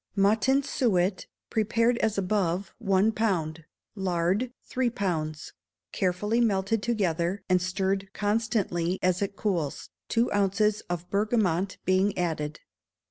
Mutton suet, prepared as above, one pound; lard, three pounds; carefully melted together, and stirred constantly as it cools, two ounces of bergamot being added.